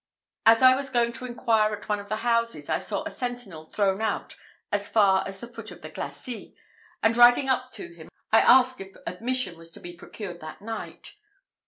As I was going to inquire at one of the houses, I saw a sentinel thrown out as far as the foot of the glacis, and riding up to him, I asked if admission was to be procured that night.